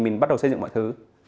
mình bắt đầu xây dựng mọi thứ